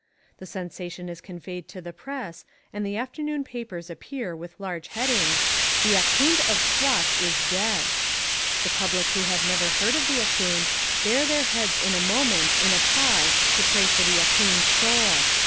The sensation is conveyed to the Press and the afternoon papers appear with large headings, THE AHKOOND OF SWAT IS DEAD. The public who have never heard of the Ahkoond bare their heads in a moment in a pause to pray for the Ahkoond's soul.